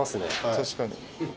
確かに。